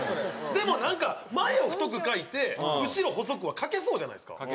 でもなんか前を太く描いて後ろ細くは描けそうじゃないですか。